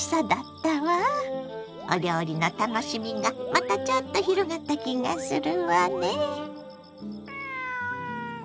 お料理の楽しみがまたちょっと広がった気がするわね。